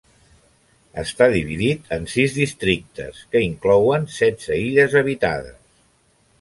Està dividit en sis districtes que inclouen setze illes habitades.